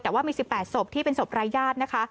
แต่ว่ามี๑๘ศพที่เป็นศพรายญาตินะคะ